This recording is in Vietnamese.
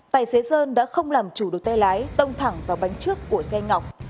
tài xế sơn đã không làm chủ được tay lái tông thẳng vào bánh trước của xe ngọc